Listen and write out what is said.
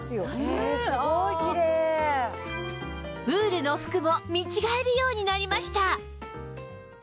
ウールの服も見違えるようになりました